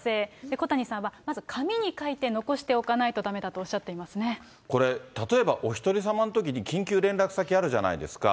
小谷さんはまず紙に書いて残しておかないとだめだとおっしゃってこれ、例えばおひとりさまのときに緊急連絡先あるじゃないですか。